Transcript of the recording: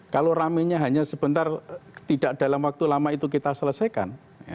kalau ramenya hanya sebentar tidak dalam waktu lama itu kita selesaikan